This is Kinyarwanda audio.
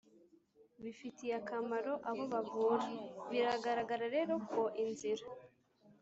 bifitiye akamaro abo bavura Biragaragara rero ko inzira